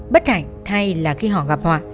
bất hạnh thay là khi họ gặp họ